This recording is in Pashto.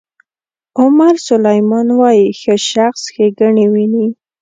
عمر سلیمان وایي ښه شخص ښېګڼې ویني.